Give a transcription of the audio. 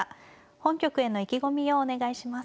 本局への意気込みをお願いします。